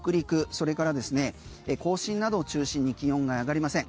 それから甲信などを中心に気温が上がりません。